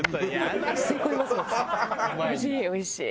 おいしいおいしい。